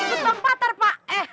ikut bang patar pak eh